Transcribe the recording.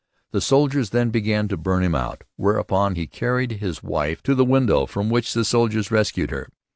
The soldiers then began to burn him out; whereupon he carried his wife to a window from which the soldiers rescued her.